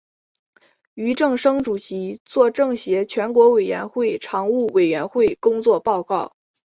俞正声主席作政协全国委员会常务委员会工作报告。